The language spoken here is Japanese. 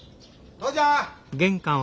父ちゃん！